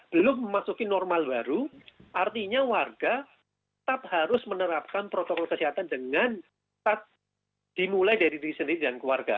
belum memasuki normal baru artinya warga tetap harus menerapkan protokol kesehatan dengan tetap dimulai dari diri sendiri dan keluarga